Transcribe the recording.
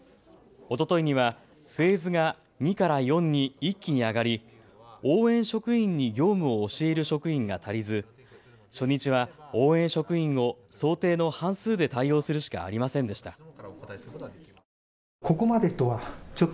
おとといには、フェーズが２から４に一気に上がり応援職員に業務を教える職員が足りず初日は応援職員を想定の半数で対応するしかありませんでした。